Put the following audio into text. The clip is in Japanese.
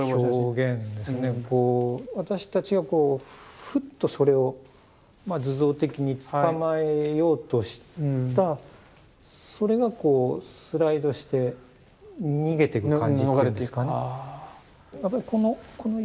私たちがこうフッとそれをまあ図像的に捕まえようとしたそれがこうスライドして逃げてく感じっていうんですかね。